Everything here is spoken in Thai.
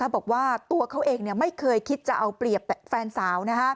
บอกว่าตัวเขาเองไม่เคยคิดจะเอาเปรียบแฟนสาว